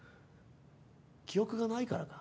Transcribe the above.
記憶がないからか？